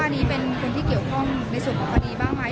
อันนี้เป็นคนที่เกี่ยวข้องในส่วนของคดีบ้างไหม